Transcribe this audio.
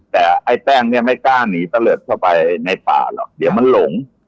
แต่ไอ้แป้งเนี่ยไม่กล้าหนีตะเลิศเข้าไปในป่าหรอกเดี๋ยวมันหลง